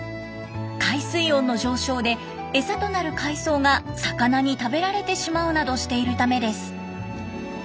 海水温の上昇で餌となる海藻が魚に食べられてしまうなどしているためです。